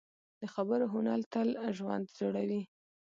د خبرو هنر تل ژوند جوړوي